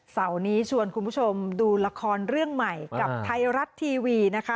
เสาร์นี้ชวนคุณผู้ชมดูละครเรื่องใหม่กับไทยรัฐทีวีนะคะ